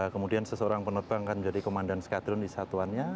kemudian seseorang penerbang akan menjadi komandan skadron di satuannya